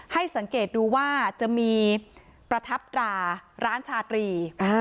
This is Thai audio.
ให้สังเกตดูว่าจะมีประทับตราร้านชาตรี